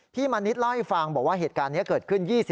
มณิชเล่าให้ฟังบอกว่าเหตุการณ์นี้เกิดขึ้น